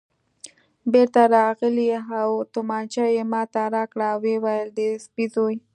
بېرته راغلی او تومانچه یې ما ته راکړل، ویې ویل: د سپي زوی.